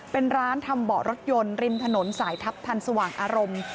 เป็นร้านทำเบาะรถยนต์ริมถนนสายทัพทันสว่างอารมณ์